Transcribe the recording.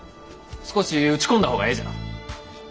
少し撃ち込んだ方がええじゃろう。